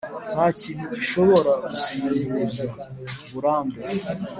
ntakintu gishobora gusimbuza uburambe.